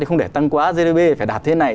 không để tăng quá gtb phải đạt thế này